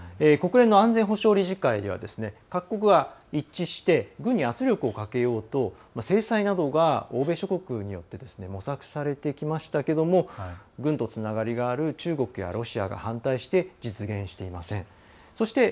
国連の安全保障理事会では各国が一致して軍に圧力をかけようと制裁などが欧米諸国によって模索されてきましたけれども軍とつながりがある中国やロシアが反対して実現していません。